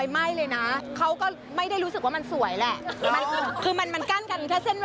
มันก็ดูถูกเนอะมันดูเป็น